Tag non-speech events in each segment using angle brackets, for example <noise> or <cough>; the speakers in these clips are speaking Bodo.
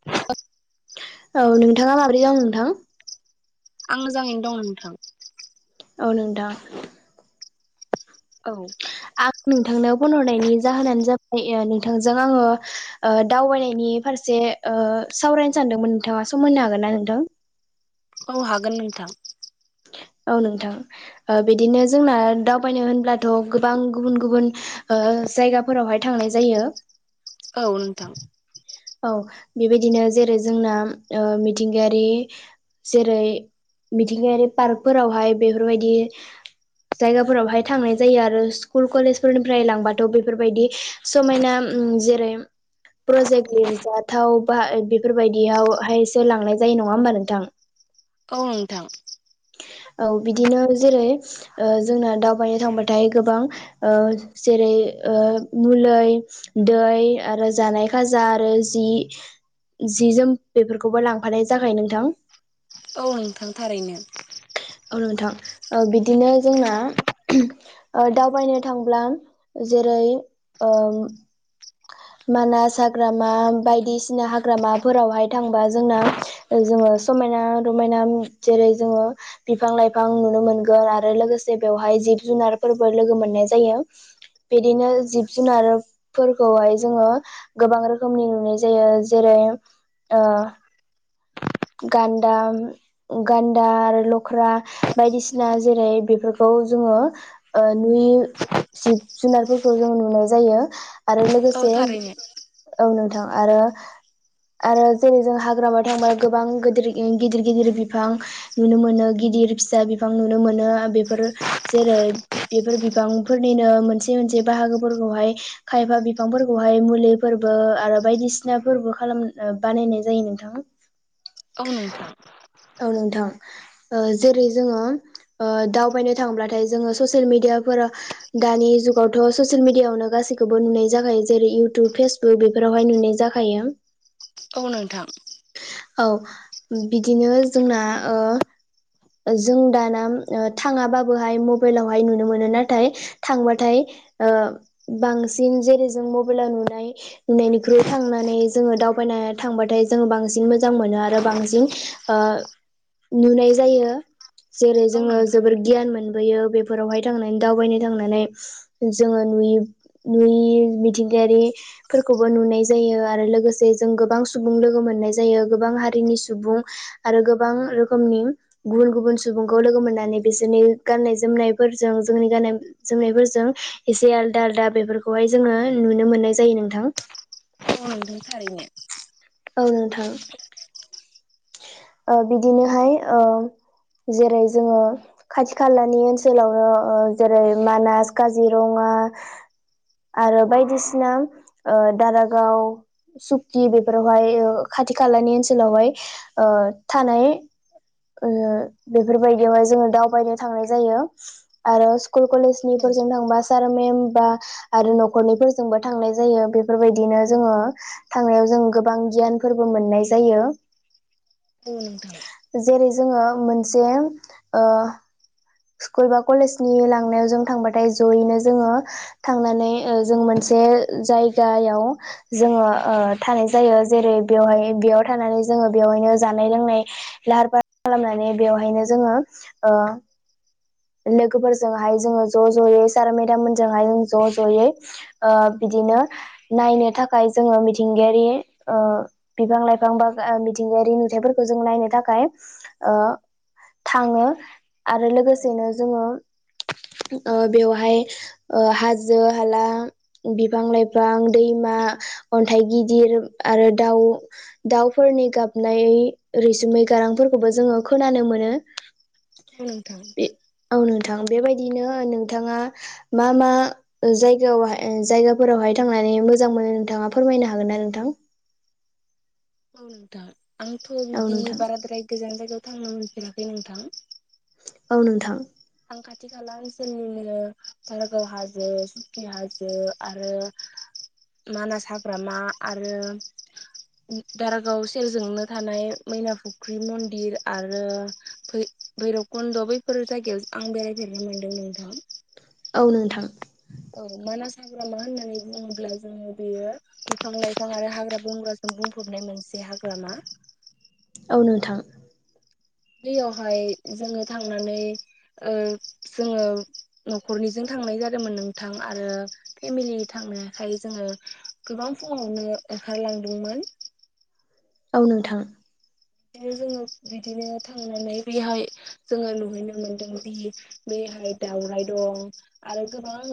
<unintelligible> औ नोंथाङा माबोरै दं नोंथां? आं मोजाङैनो दङ नोंथां। औ नोंथां। औ आं नोंथांनो फन हरनायनि जाहोनानो जाबाय नोंथांजों आङो दावबायनायनि फारसे सावरायनो सानदोंमोन नोंथाङा सम मोननो हागोन ना नोंथां? औ हागोन नोंथां। औ नोंथां बिदिनो जोंना दावबायनो होनब्लाथ' गोबां गुबुन गुबुन ओ जायगाफोरावहाय थांनाय जायो। औ नोंथां। औ बेबायदिनो जेरै जोंना मिथिंगायारि जेरै मिथिंगायारि पार्कफोरावहाय बेफोरबायदि जायगाफोरावहाय थांनाय जायो आरो स्कुल कलेजफोरनिफ्राय लांबाथ' बेफोरबायदि समायना जेरै प्रजेक्ट लिरजाथाव बा बेफोरबायदियावहायसो लांनाय जायो नङा होमबा नोंथां। औ नोंथां। औ बिदिनो जेरै जोंना दावबायनो थांबाथाय गोबां ओ जेरै ओ मुंलै दै आरो जानाय खाजा आरो जि जि जोम बेफोरखौबो लांफानाय जाखायो नोंथां। औ नोंथां थारैनो। औ नोंथां बिदिनो जोंना ओ दावबायनो थांब्ला जेरै ओ मानास हाग्रामा बायदिसिना हाग्रामाफोरावहाय थांबा जोंना जोङो समायना रमायना जेरै जोङो बिफां लाइफां नुनो मोनगोन आरो लोगोसे बेवहाय जिब जुनारफोरबो लोगो मोननाय जायो। बिदिनो औ जिब नोंथां जुनारफोरखौहाय जोङो गोबां रोखोमनि नुनाय जायो जेरै ओ गान्दा गान्दा आरो लख्रा बायदिसिना जेरै बेफोरखौ जोङो नुयि जिब जुनारफोरखौ जों नुनाय जायो। आरो औ लोगोसे थारैनो औ नोंथां आरो आरो जेरै जों हाग्रामायाव थांब्ला गोबां गिदिर गिदिर गिदिर बिफां नुनो मोनो गिदिर फिसा बिफां नुनो मोनो बेफोर जेरै बेफोर बिबांफोरनिनो मोनसे मोनसे बाहागोफोरखौहाय खायफा बिफांफोरखौहाय मुलिफोरबो आरो बायदिसिना फोरबो खालाम बानायनाय जायो नोंथां। औ नोंथांं औ नोंथां जेरै जोङो दावबायनो थांब्लाथाय जोङो ससियेल मेडियाफोराव दानि जुगावथ' ससियेल मिडियाआवनो गासैखौबो नुनाय जाखायो जेरै इउटुब फेसबु क बेफोरावहाय नुनाय जाखायो। औ नोंथां। औ बिदिनो जोंना ओ जों दाना थाङाबाबोहाय मबाइलावहाय नुनो मोनो नाथाय थांबाथाय ओ बांसिन जेरै जों मबाइलाव नुनाय नुनायनिख्रुइ थांनानै जोङो दावबायनो थांबाथाय जोङो बांसिन मोजां मोनो आरो बांसिन ओ नुनाय जायो जेरै औ जोङो नोंथां जोबोर गियान मोनबोयो बेफोरावहाय थांनानै दावबायनो थांनानै जोङो नुय नुयि मिथिंगायारि फोरखौबो नुनाय जायो आरो लोगोसे जों गोबां सुबुं लोगो मोननाय जायो गोबां हारिनि सुबुं आरो गोबां रोखोमनि गुबुन गुबुन सुबुंखौ लोगो मोननानै बिसोरनि गाननाय जोमनायफोरजों जोंनि गाननाय जोमनायफोरजों एसे आलदा आलदा बेफोरखौहाय जोङो नुनो मोननाय जायो नोंथां औ नोंथां थारैनो औ नोंथां ओ बिदिनोहाय ओ जेरै जोङो खाथि खालानि ओनसोलावनो जेरै मानास काजिरङा आरो बायदिसिना ओ दारागाव सुकि बेफोरावहाय खाथि खालानि ओनसोलावहाय ओ थानाय बेफोरबायदियावहाय जोङो दावबायनो थांनाय जायो आरो स्कुल कलेज नि औ फोरजों थांब सार मेम बा आरो न'खरनिफोरजोंबो थांनाय जायो बेफोरबायदिनो जोङो थांनायाव जों गोबां गियानफोरबो मोननाय जायो औ नोंथां जेरै जोङो मोनसे ओ स्कुल बा कलेजनि लांनायाव जों थांबाथाय जयैनो जोङो थांनानै ओ जों मोनसे जायगायाव जोङो ओ थानाय जायो जेरै बेवहाय बेयाव थानानै जोङो बेवहायनो जानाय लोंनाय लाहार फाहार खालामनानै बेवहायनो जोङो ओ लोगोफोरजोंहाय जोङो ज' ज'यै सार मेदाम मोनजोंहाय जों ज' ज'यै ओ बिदिनो नायनो थाखाय जोङो मिथिंगायारि ओ बिफां लाइफां बा मिथिंगायारि नुथायाइफोरखौ जों नायनो थाखाय ओ थाङो आरो लोगोसेनो जोङो ओ बेवहाय हाजो हाला बिफां लाइफां दैमा अन्थाइ गिदिर आरो दाउ दाउफोरनि गाबनाय ओ रैसुमै गारांफोरखौबो जोङो खोनानो मोनो <unintelligible> नोंथां बे औ नोंथां बेबायदिनो नोंथाङा मा मा ओ जायगायाव जायगाफोरावहाय थांनानै मोजां मोनो नोंथाङा फोरमायनो हागोन ना नोंथां औ नोंथां आंथ' औ बिदि नोंथां बाराद्राय गोजान जायगायाव थांनो मोनफेराखै नोंथां औ नोंथां आं खाथि खाला ओनसोलनिनो दारागाव हाजो सुकि हाजो आरो मानास हाग्रामा आरो दारागाव सेरजोंनो थानाय मैना फुख्रि मन्दिर आरो फै भैरबकुन्द' बैफोर जायगायाव आं बेरायफेरनो मोन्दों नोंथां औ नोंथां औ मानास हाग्रामा होननानै बुङोब्ला जोङो बेयो बिफां लाइफां आरो हाग्रा बंग्रा बुंफबनाय मोनसे हाग्रामा औ नोंथां। बैयावहाय जोङो थांनानै ओ जोङो न'खरनिजों थांनाय जादोंमोन नोंथां आरो फेमिलि थांनायखाय जोङो गोबां फुङावनो ओंखारलांदोंमोन औ नोंथां। दिनो जोङो बिदिनो थांनानै बेहाय जोङो नुहैनो मोनदों दि बेहाय दावराय दं आरो गोबां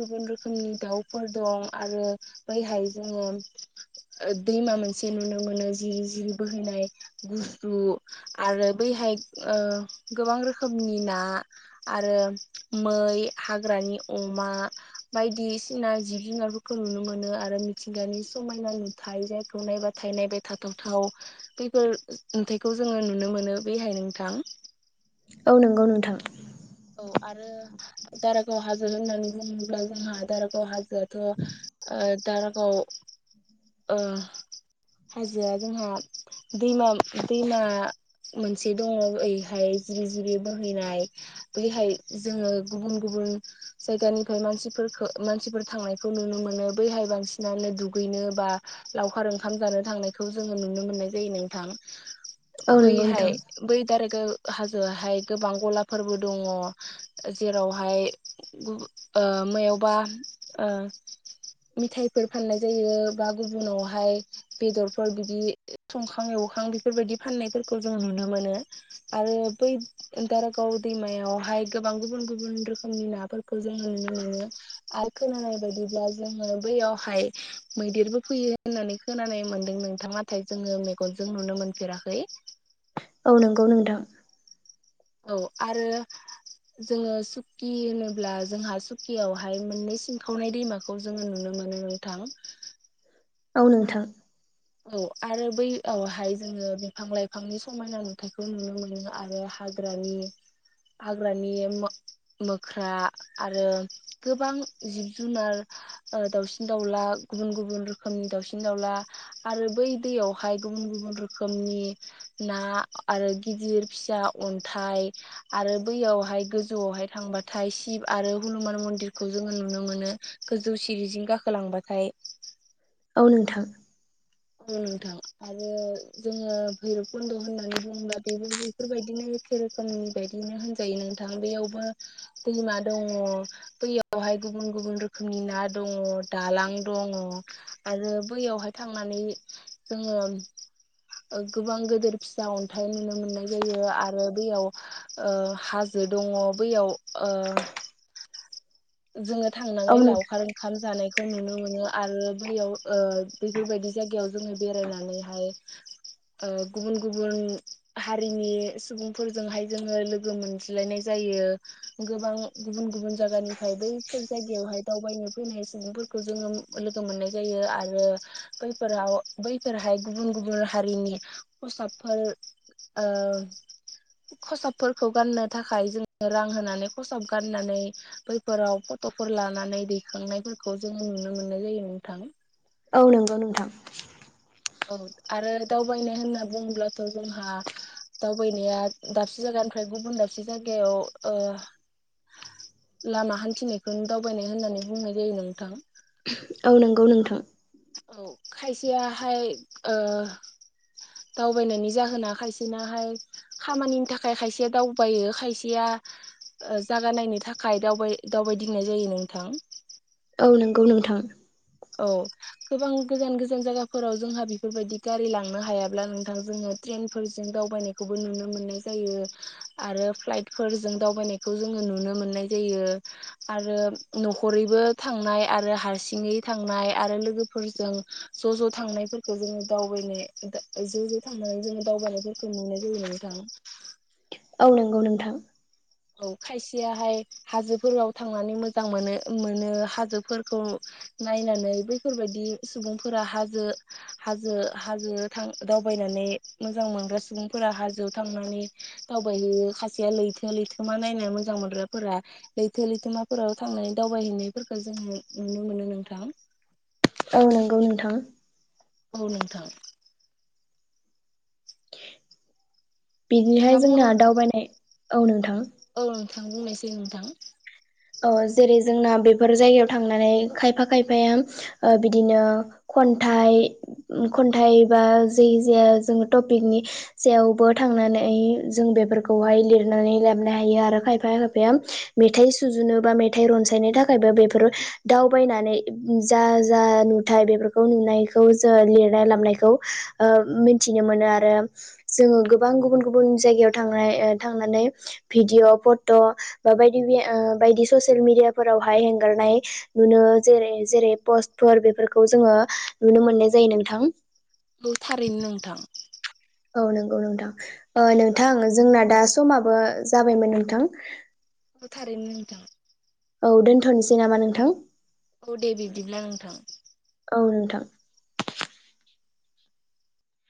गुबुन रोखोमनि दाउफोर दं आरो बैहाय जोङो ओ दैमा मोनसे नुनो मोनो जिरि जिरि बोहैनाय गुसु आरो बैहाय ओ गोबां रोखोमनि ना आरो मै, हाग्रानि अमा, बायदिसिना जिब जुनारफोरखौ नुनो मोनो आरो मिथिंगानि समायना नुथाय जायखौ नायबा थाइ नायबाय थाथावथाव बेफोर नुथायखौ जोङो नुनो मोनो बेहाय नोंथां। औ नोंगौ नोंथां। औ आरो। दारागाव हाजो होननानै बुङोब्ला जोंहा दारागाव हाजोआथ' ओ दारागाव। ओ हाजोआ जोंहा दैमा दैमा मोनसे दङ एैहाय जिरि जिरि बोहैनाय बैहाय जोङो गुबुन गुबुन जायगानिफ्राय मानसिफोरखो मानसिफोर थांनायखौ नुनो मोनो बैहाय बांसिनानो दुगैनो बा लावखार ओंखाम जानो थांनायखौ जोङो नुनो मोननाय जायो नोंथां। औ नंगौ बैहाय नोंथां बै दारागाव हाजोआहाय गोबां गलाफोरबो दङ जेरावहाय गु ओ मायावबा ओ मिथाइफोर फाननाय जायो बा गुबुनावहाय बेदरफोर बिदि संखां एवखां बेफोरबायदि फाननायफोरखौ जों नुनो मोनो। आरो बै दारागाव दैमायावहाय गोबां गुबुन गुबुन रोखोमनि नाफोरखौ जोङो नुनो मोनो। आरो खोनानाय बायदिब्ला जोङो बैयावहाय मैदेरबो फैयो होननानै खोनानाय मोन्दों नोंथां नाथाय जोङो मेगनजों नुनो मोनफेराखै। औ नोंगौ नोंथां। औ आरो जोङो सुकि होनोब्ला जोंहा सुकियावहाय मोननै सिंखावनाय दैमा खौ जोङो नुनो मोनो नोंथां। औ नोंथां। औ आरो बैहाय जोङो बिफां लाइफांनि समायना नुथायखौ नुनो मोनो आरो हा हाग्रानि हाग्रानि मोख्रा आरो गोबां जिब जुनार ओ दाउसिन दाउला गुबुन गुबुन रोखोमनि दाउसिन दाउला आरो बै दैयावहाय गुबुन गुबुन रोखोमनि ना आरो गिदिर फिसा अन्थाइ आरो बैयावहाय गोजौआवहाय थांबाथाय शिब आरो हुनुमान मन्दिरखौ जोङो नुनो मोनो। गोजौ सिरिजोंं गाखोलांबाथाय औ नोंथां। औ नोंथां आरो जोङो भैरबकुन्द' होननानै बुङोब्ला बेबो बेफोरबायदिनो एखे रोखोमनि बायदिनो होनजायो नोंथां बैयावबो दैमा दङ बैयावहाय गुबुन गुबुन रोखोमनि ना दङ, दालां दङ आरो बैयावहाय थांनानै जोङो गोबां गोदोर फिसा अन्थाइ नुनो मोननाय जायो आरो बेयाव ओ हा जो दङ बैयाव ओ जोङो औ थांनानै नोंथां लावखार खाम जानायखौ नुनो मोनो आरो बैयाव ओ बैफोरबायदि जायगायाव जोङो बेरायनानैहाय <inaudible> ओ गुबुन गुबुन हारिनि सुबुंफोरजोंहाय जोङो लोगो मोनज्लायनाय जायो। गोबां गुबुन गुबुन जागानि फाय बैफोर जायगायावहाय दावबायनो फैनाय सुबुंफोरखौ जोङो ओ लोगो मोननाय जायो आरो बैफोराव बैफोरहाय गुबुन गुबुन हारिनि खसाबफोर ओ खसाबफोरखौ गाननो थाखाय जोङो रां होनानै खसाब गाननानै बै फोराव फटफोर लानानै दैखांनायफोरखौ जोङो नुनो मोननाय जायो नोंथां। औ नोंगौ नोंथां। औ आरो दावबायनाय होनना बुङोब्लाथ जोंहा दावबायनाया दाबसे जायगानिफ्राय गुबुन दाबसे जायगायाव ओ लामा हान्थिनायखौ दावबायनाय होननानै बुंनाय जायो नोंथां। औ नोंगौ नोंथां। औ खायसेयाहाय ओ दावबायनायनि जाहोना खायसेनाहाय खामानिनि थाखाय खायसेया दावबायो खायसेया ओ जागा नायनो थाखाय दावबाय दावबायदिंनाय जायो नोंथां। औ नोंगौ नोंथां। औ गोबां गोजान गोजान जायगाफोराव जोंहा बेफोरबायदि गारि लांनो हायाब्ला नोंथां जोङो ट्रेनफोरजों दावबायनायखौबो नुनो मोननाय जायो आरो फ्लाइटफोरजों दावबायनाय खौ जोङो नुनो मोननाय जायो आरो नखरैबो थांनाय आरो हारसिङै थांनाय आरो लोगोफोरजों ज ज थांनायफोरखौ जोङो दावबायनो दा ज ज थांनानै जोङो दावबायनायफोरखौ नुनाय जायो नोंथां। औ नोंगौ नोंथां। औ खायसेयाहाय हाजोफोराव थांनानै मोजां मोनो मोनो हाजोफोरखौ नायनानै बै फोरबायदि सुबुंफोरा हाजो हाजो हाजोङो थां दावबायनानै मोजां मोनग्रा सुबुंफोरा हाजोआव थांनानै दावबायहैयो खासेया लैथो लैथोमा नायनो मोजां मोनग्राफोरा लैथो लैथोमाफोराव थांनानै दावबायहैनायफोरखो जोङो नुनो मोनो नोंथां। औ नोंगौ नोंथां। औ नोंथां। नोंथाङा बिदिहाय बुंनो जोंना दावबायनाय औ नोंथां। औ नोंथां बुंनोसै नोंथां। औ जेरै जोंना बेफोर जायगायाव थांनानै खायफा खायफाया ओ बिदिनो खन्थाइ खन्थाइ बा जै जाया जोङो टपिकनि जेयावबो थांनानै जों बेफोरखौहाय लिरनानै लाबोनो हायो आरो खायफाया याम मेथाइ सु सुजुनो बा मेथाइ रनसायनो थाखायबो बेफोरो दावबायनानै जा जा नुथाय बेफोर खौ नुनायखौ जो लिरना लाबोनायखौ ओ मिथिनो मोनो आरो जोङो गोबां गुबुन गुबुन जायगायाव थांनाय ओ थांनानै भिडिअ फट बा बायदि मैया ओ बायदि ससियेल मिडियाफोरावहाय हेंगारनाय नुनो जेरै जेरै पस्टफोर बेफोरखौ जोङो नुनो मोननाय जायो नोंथां। गौ थारैनो नोंथां। औ नोंगौ नोंथां ओ नोंथां जोंना दा समाबो जाबायमोन नोंथां थारैनो नोंथां। औ दोनथनोसै नामा नोंथां। दे बिब्दिब्ला नोंथां औ नोंथां